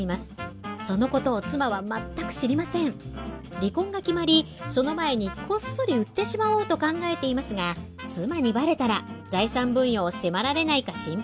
離婚が決まりその前にこっそり売ってしまおうと考えていますが妻にバレたら財産分与を迫られないか心配です。